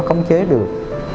chống chế được